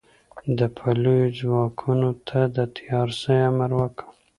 د پلیو ځواکونو ته د تیارسئ امر وکړ.